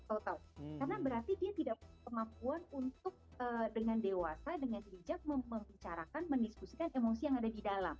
karena berarti dia tidak memiliki kemampuan untuk dengan dewasa dengan bijak membicarakan mendiskusikan emosi yang ada di dalam